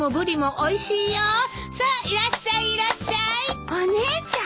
お姉ちゃん！？